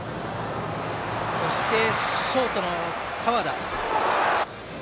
そしてショートの河田。